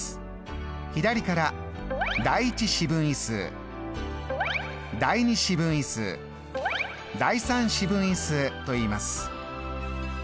左から第１四分位数第２四分位数第３四分位数といいます。